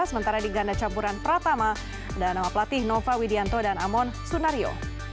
sementara di ganda campuran pratama ada nama pelatih nova widianto dan amon sunario